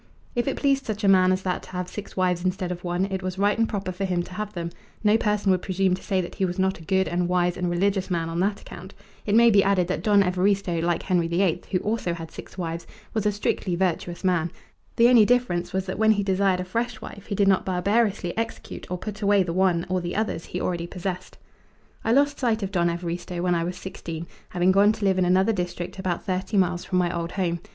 If it pleased such a man as that to have six wives instead of one it was right and proper for him to have them; no person would presume to say that he was not a good and wise and religious man on that account. It may be added that Don Evaristo, like Henry VIII, who also had six wives, was a strictly virtuous man. The only difference was that when he desired a fresh wife he did not barbarously execute or put away the one, or the others, he already possessed. I lost sight of Don Evaristo when I was sixteen, having gone to live in another district about thirty miles from my old home.